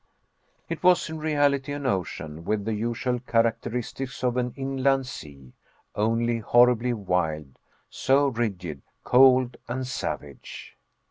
It was in reality an ocean, with all the usual characteristics of an inland sea, only horribly wild so rigid, cold and savage.